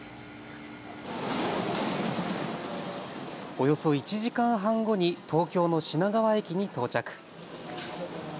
およそ１時間半後に東京の品川駅に到着。